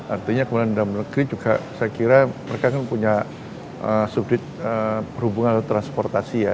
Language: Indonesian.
artinya kemudian dalam negeri juga saya kira mereka kan punya subdit perhubungan atau transportasi ya